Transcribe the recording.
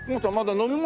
飲み物。